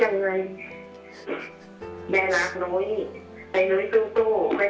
ให้หนุ๊ยคิดถึง